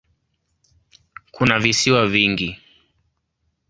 Kuna visiwa vingi.